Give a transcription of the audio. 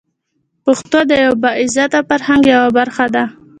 پښتو د یوه با عزته فرهنګ یوه برخه ده.